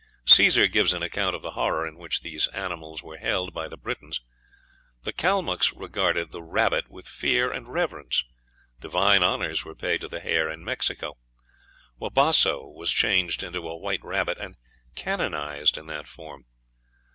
Cæsar gives an account of the horror in which this animal was held by the Britons. The Calmucks regarded the rabbit with fear and reverence. Divine honors were paid to the hare in Mexico. Wabasso was changed into a white rabbit, and canonized in that form.